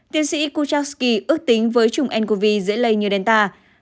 tiến sĩ kuchasky ước tính với chủng ncov dễ lây như delta